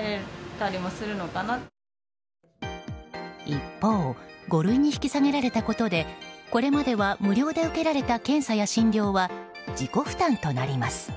一方５類に引き下げられたことでこれまでは無料で受けられた検査や診療は自己負担となります。